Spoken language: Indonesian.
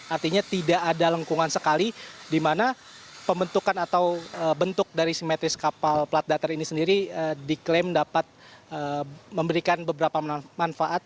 artinya tidak ada lengkungan sekali di mana pembentukan atau bentuk dari simetris kapal plat datar ini sendiri diklaim dapat memberikan beberapa manfaat